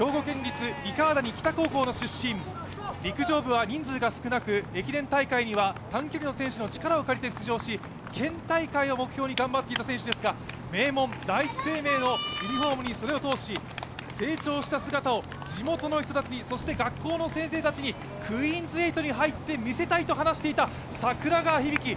櫻川響晶です、陸上部は人数が少なく、駅伝大会には短距離の選手の力を借りて出場し県大会を目標に頑張っていた選手ですが、名門・第一生命のユニフォームに袖を通し成長した姿を地元の人たちに、そして学校の先生たちに、クイーンズ８に入って見せたいと話していた櫻川響晶。